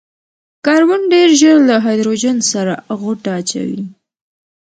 کاربن ډېر ژر له هايډروجن سره غوټه اچوي.